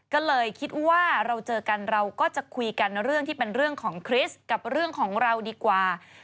ก็เลยคิดว่าเราเจอกันเราก็จะคุยกันเรื่องที่เป็นเรื่องของคริสต์กับเรื่องของเราดีกว่า